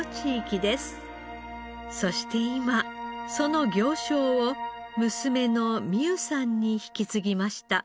そして今その行商を娘の美有さんに引き継ぎました。